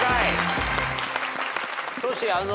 トシ